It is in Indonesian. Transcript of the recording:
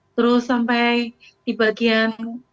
terus sampai di bagian